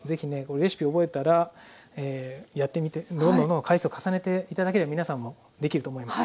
レシピを覚えたらやってみてどんどんどんどん回数を重ねて頂ければ皆さんもできると思います。